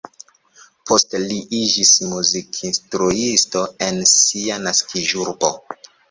Poste li iĝis muzikinstruisto en sia naskiĝurbo.